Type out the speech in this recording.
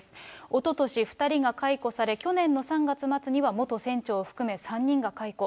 おととし、２人が解雇され、去年の３月末には元船長を含め、３人が解雇。